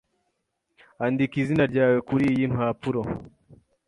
Andika izina ryawe kuriyi mpapuro.